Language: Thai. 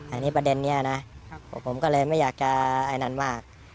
อันนี้ประเด็นนี้นะผมก็เลยไม่อยากจะไอ้นั่นมาก